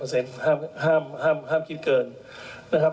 ๑๕เปอร์เซ็นต์ห้ามคิดเกินนะครับ